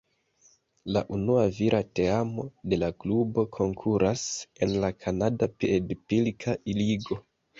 La unua vira teamo de la klubo konkuras en la Kanada piedpilka ligo.